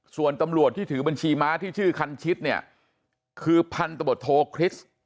ส่วนตำรวจที่ถือบัญชีม้าที่ชื่อคันชิดเนี่ยคือพันธบทโทคริสต์